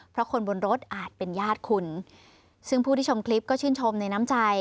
เพราะคนบนรถอาจเป็นญาติคุณซึ่งผู้ที่ชมคลิปก็ชื่นชมในน้ำใจ